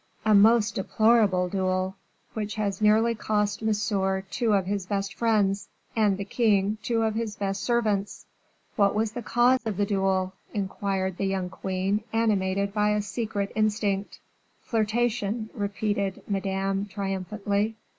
"A most deplorable duel, which has nearly cost Monsieur two of his best friends, and the king two of his best servants." "What was the cause of the duel?" inquired the young queen, animated by a secret instinct. "Flirtation," repeated Madame, triumphantly.